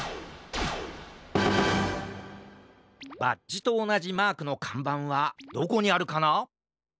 バッジとおなじマークのかんばんはどこにあるかな？